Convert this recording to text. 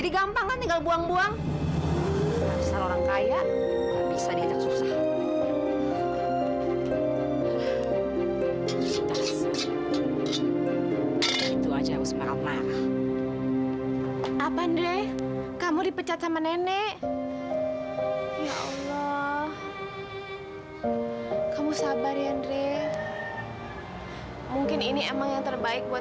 sampai jumpa di video selanjutnya